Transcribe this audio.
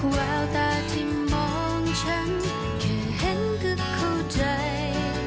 แววตาที่มองฉันแค่เห็นก็เข้าใจ